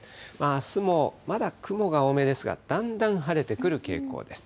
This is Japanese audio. あすもまだ雲が多めですが、だんだん晴れてくる傾向です。